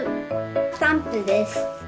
スタンプです。